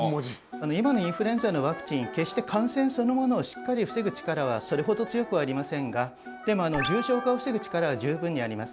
今のインフルエンザのワクチン決して感染そのものをしっかり防ぐ力はそれほど強くありませんがでも重症化を防ぐ力は十分にあります。